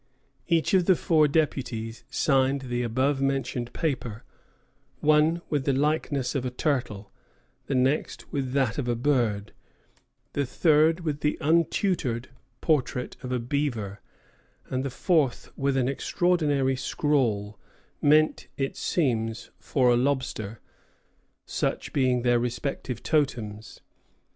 Each of the four deputies signed the above mentioned paper, one with the likeness of a turtle, the next with that of a bird, the third with the untutored portrait of a beaver, and the fourth with an extraordinary scrawl, meant, it seems, for a lobster, such being their respective totems.